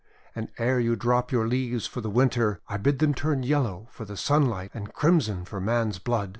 And, ere you drop your leaves for the Winter, I bid them turn yellow for the sunlight and crimson for man's blood.